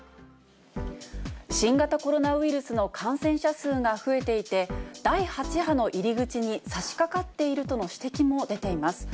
新型コロナウイルスの感染者数が増えていて、第８波の入り口にさしかかっているとの指摘も出ています。